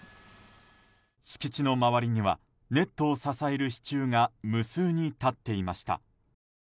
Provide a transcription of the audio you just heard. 敷地の周りにはネットを支える支柱が無数に立っていました。